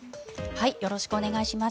よろしくお願いします。